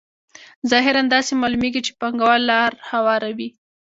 ظاهراً داسې معلومېږي چې پانګوال لار هواروي